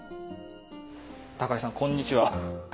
高井さんこんにちは。